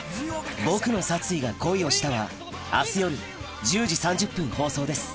『ボクの殺意が恋をした』は明日夜１０時３０分放送です